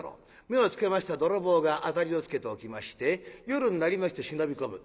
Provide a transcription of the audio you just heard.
目をつけました泥棒が当たりをつけておきまして夜になりまして忍び込む。